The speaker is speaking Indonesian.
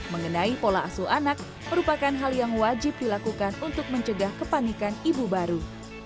mengenai pola asuh anak merupakan hal yang wajib dilakukan untuk mencegah kepanikan ibu baru